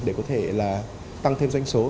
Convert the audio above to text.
để có thể là tăng thêm doanh số